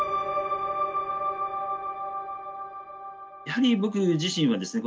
やはり僕自身はですね